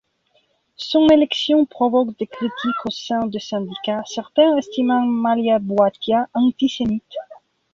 Son élection provoque des critiques au sein du syndicat, certains estimant Malia Bouattia antisémite.